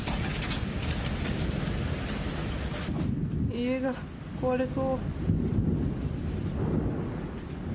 家が壊れそう。